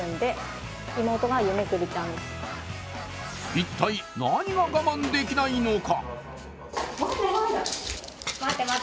一体何が我慢できないのか？